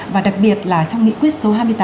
và đặc biệt là trong nghị quyết số hai mươi tám